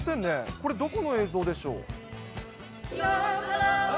これ、どこの映像でしょう？